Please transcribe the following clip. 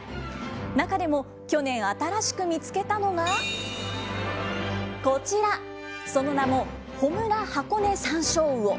中でも去年、新しく見つけたのが、こちら、その名も、ホムラハコネサンショウウオ。